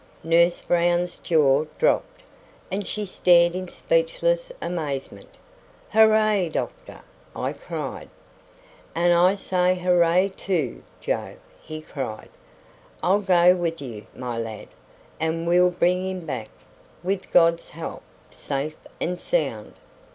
Nurse Brown's jaw dropped, and she stared in speechless amazement. "Hurray, doctor!" I cried. "And I say hurray too, Joe," he cried. "I'll go with you, my lad, and we'll bring him back, with God's help, safe and sound."